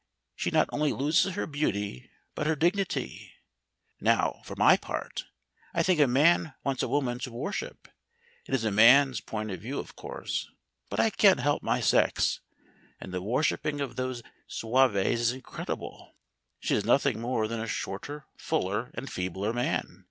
She not only loses her beauty but her dignity. Now, for my own part, I think a man wants a woman to worship it is a man's point of view, of course, but I can't help my sex and the worshipping of these zouaves is incredible. She is nothing more than a shorter, fuller, and feebler man.